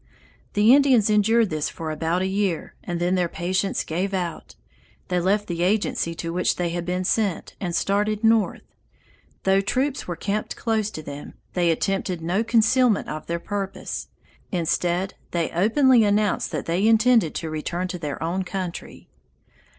"The Indians endured this for about a year, and then their patience gave out. They left the agency to which they had been sent and started north. Though troops were camped close to them, they attempted no concealment of their purpose. Instead, they openly announced that they intended to return to their own country.